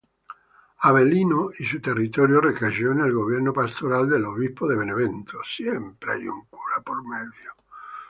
Avellino y su territorio recayó en el gobierno pastoral del obispo de Benevento.